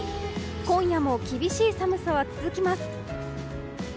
今夜も厳しい寒さは続きます。